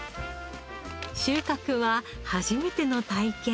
収穫は初めての体験。